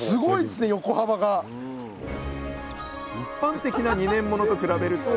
一般的な２年ものと比べるとこのとおり！